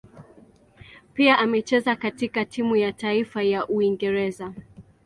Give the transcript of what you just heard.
Pia amecheza kwenye timu ya taifa ya Uingereza.